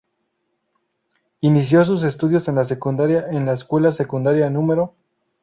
Inició sus estudios en la secundaria en la Escuela Secundaria No.